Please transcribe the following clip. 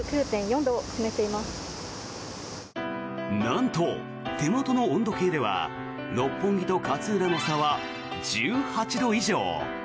なんと、手元の温度計では六本木と勝浦の差は１８度以上。